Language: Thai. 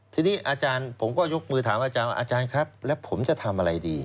ทีนี้อาจารย์ผมก็ยกมือถามอาจารย์ว่าอาจารย์ครับแล้วผมจะทำอะไรดี